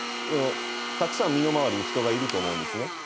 でもたくさん身の回りに人がいると思うんですね。